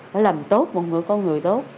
phải làm tốt một người con người tốt